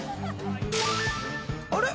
あれ？